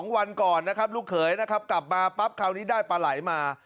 วันก่อนนะครับลูกเขยนะครับกลับมาปั๊บคราวนี้ได้ปลาไหลมา